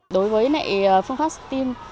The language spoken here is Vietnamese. đối với nệm phong pháp stem